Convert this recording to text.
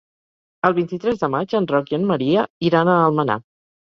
El vint-i-tres de maig en Roc i en Maria iran a Almenar.